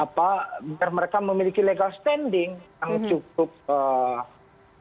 apa biar mereka memiliki legal standing yang cukup eee